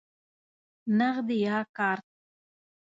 نغدی یا کارت؟